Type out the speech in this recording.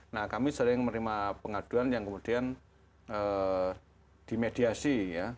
nah kami sering menerima pengaduan yang kemudian dimediasi ya